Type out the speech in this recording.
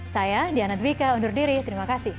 saya diana dwika undur diri terima kasih